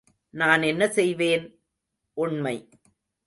நான் என்ன செய்வேன்? உண்மை.